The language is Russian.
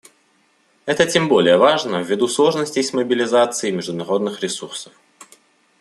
Это тем более важно ввиду сложностей с мобилизацией международных ресурсов.